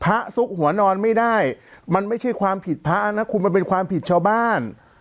ซุกหัวนอนไม่ได้มันไม่ใช่ความผิดพระนะคุณมันเป็นความผิดชาวบ้าน